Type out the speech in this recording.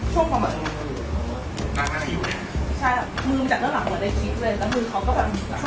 ตรงนั้นไปกับตอนนั้งรู้สึกแบบความรู้สึกว่ามีนป้ายวะ